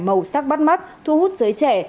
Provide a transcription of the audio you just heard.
màu sắc bắt mắt thu hút giới trẻ